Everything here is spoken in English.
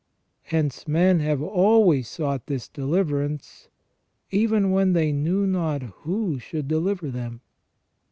Hence men have always sought this deliverance, even when they knew not who should deliver them.